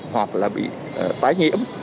hoặc là bị tái nhiễm